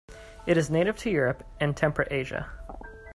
It is native to Europe and temperate Asia.